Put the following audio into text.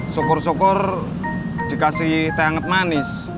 sukar sukar dikasih teh hangat manis